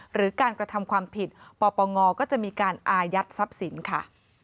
หรือการกระทำความผิดปปงก็จะมีการอายัดทรัพย์สินค่ะ